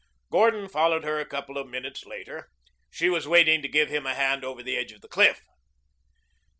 Gordon followed her a couple of minutes later. She was waiting to give him a hand over the edge of the cliff.